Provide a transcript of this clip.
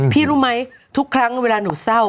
รู้ไหมทุกครั้งเวลาหนูเศร้า